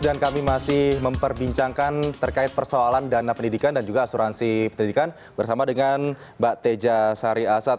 dan kami masih memperbincangkan terkait persoalan dana pendidikan dan juga asuransi pendidikan bersama dengan mbak teja sari asad